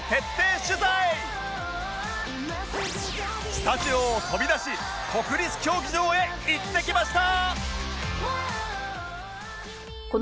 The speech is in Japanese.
スタジオを飛び出し国立競技場へ行ってきました！